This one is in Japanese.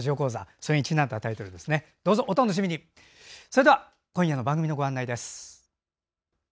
それでは今夜の番組のご案内です。